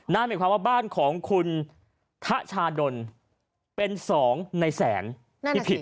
นั่นหมายความว่าบ้านของคุณทะชาดลเป็น๒ในแสนที่ผิด